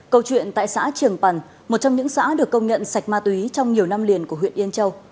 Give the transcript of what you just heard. câu chuyện tại xã trường pần một trong những xã được công nhận sạch ma túy trong nhiều năm liền của huyện yên châu